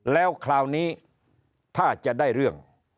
แล้วคราวนี้ถ้าจะได้เรื่อง